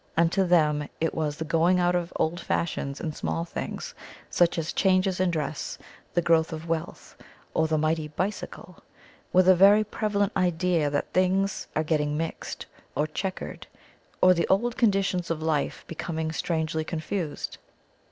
Unto them it was the going out of old fashions in small things, such as changes in dress, the growth of wealth, or "the mighty bicycle," with a very prevalent idea that things "are getting mixed" or "checquered," or the old conditions of life becoming strangely confused.